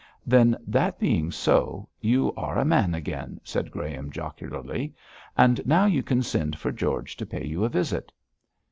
'Then that being so, you are a man again,' said Graham, jocularly, 'and now you can send for George to pay you a visit.'